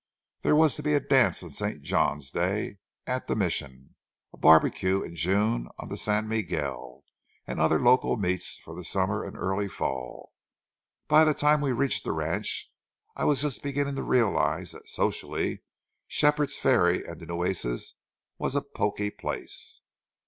There was to be a dance on St. John's Day at the Mission, a barbecue in June on the San Miguel, and other local meets for the summer and early fall. By the time we reached the ranch, I was just beginning to realize that, socially, Shepherd's Ferry and the Nueces was a poky place.